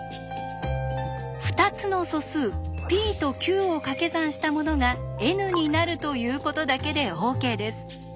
「２つの素数ｐとｑをかけ算したものがＮになる」ということだけでＯＫです。